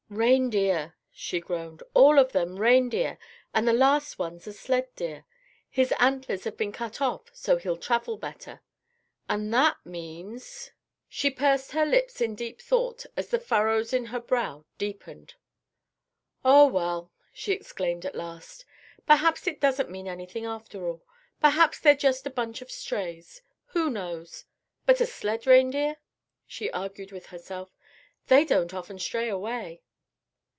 "Reindeer!" she groaned. "All of them reindeer, and the last one's a sled deer. His antlers have been cut off so he'll travel better. And that means—" She pursed her lips in deep thought as the furrows in her brow deepened. "Oh, well!" she exclaimed at last. "Perhaps it doesn't mean anything after all. Perhaps they're just a bunch of strays. Who knows? But a sled reindeer?" she argued with herself. "They don't often stray away."